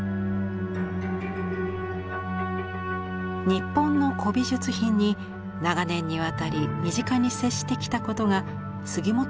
日本の古美術品に長年にわたり身近に接してきたことが杉本